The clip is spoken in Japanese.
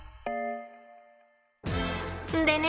でね